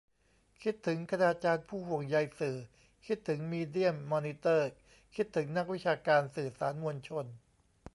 คิดถึง 'คณาจารย์ผู้ห่วงใยสื่อ' คิดถึง 'มีเดียมอนิเตอร์' คิดถึง 'นักวิชาการสื่อสารมวลชน'